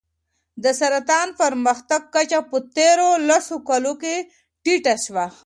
د سرطان پرمختګ کچه په تېرو لسو کلونو کې ټیټه شوې.